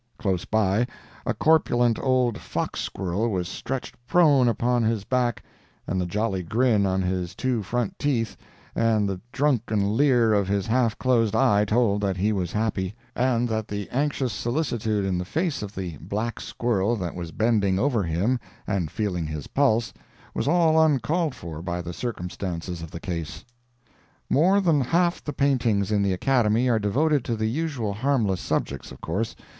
Close by, a corpulent old fox squirrel was stretched prone upon his back, and the jolly grin on his two front teeth, and the drunken leer of his half closed eye told that he was happy, and that the anxious solicitude in the face of the black squirrel that was bending over him and feeling his pulse was all uncalled for by the circumstances of the case. More than half the paintings in the Academy are devoted to the usual harmless subjects, of course.